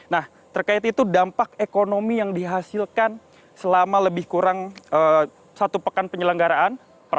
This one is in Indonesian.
nah terkait itu dampak ekonomi yang dihasilkan selama lebih kurang satu pekan penyelenggaraan